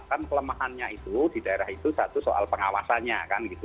kan kelemahannya itu di daerah itu satu soal pengawasannya kan gitu